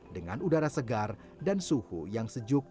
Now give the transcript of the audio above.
dengan udara segar dan suhu yang sejuk dan sejuk